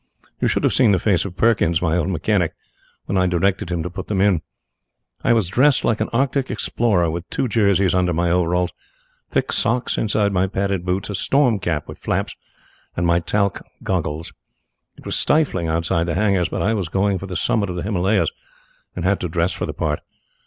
You should have seen the face of Perkins, my old mechanic, when I directed him to put them in. I was dressed like an Arctic explorer, with two jerseys under my overalls, thick socks inside my padded boots, a storm cap with flaps, and my talc goggles. It was stifling outside the hangars, but I was going for the summit of the Himalayas, and had to dress for the part.